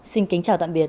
xin kính chào tạm biệt